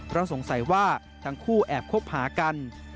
เพราะสงสัยว่าทั้งคู่แอบคบหากัน